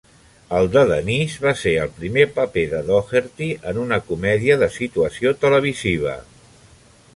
El de Denise va ser el primer paper de Doherty en una comèdia de situació televisiva.